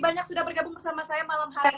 banyak sudah bergabung bersama saya malam hari ini